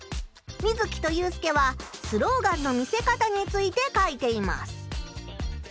ミズキとユウスケはスローガンの見せ方について書いています。